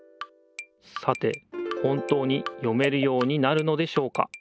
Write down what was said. さて本当に読めるようになるのでしょうか？